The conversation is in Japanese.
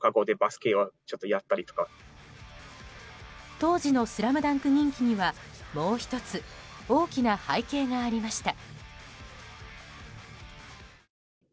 当時の「ＳＬＡＭＤＵＮＫ」人気にはもう１つ大きな背景がありました。